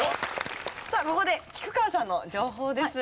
さあここで菊川さんの情報です！